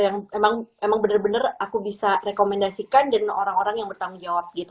yang emang bener bener aku bisa rekomendasikan dengan orang orang yang bertanggung jawab gitu